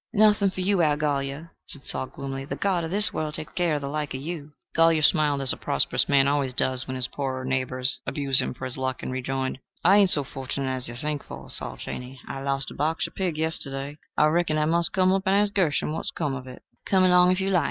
"Nothing for you, Al Golyer," said Saul, gloomily. "The god of this world takes care of the like o' you." Golyer smiled, as a prosperous man always does when his poorer neighbors abuse him for his luck, and rejoined: "I ain't so fortunate as you think for, Saul Chaney. I lost a Barksher pig yesterday: I reckon I must come up and ask Gershom what's come of it." "Come along, if you like.